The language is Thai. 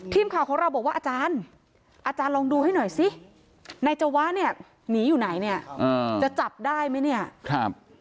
ทีมข่าวของเราบอกว่าอาจารย์อาจารย์ลองดูให้หน่อยซินายเจาะหนีอยู่ไหนจะจับได้ไหม